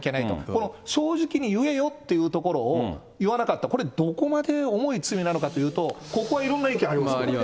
この正直に言えよっていうところを言わなかった、これ、どこまで重い罪なのかというと、ここはいありますよ。